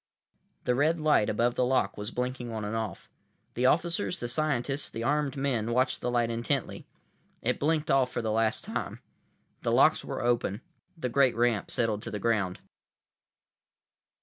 The red light above the lock was blinking on off on off. The officers, the scientists, the armed men, watched the light intently. It blinked off for the last time. The locks were open. The great ramp settled to the ground.